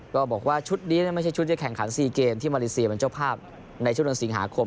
ก็บอกว่าชุดนี้ไม่ใช่ชุดที่จะแข่งขัน๔เกมที่มาเลเซียมันเจ้าภาพในชุดนักศิลป์๔หาคม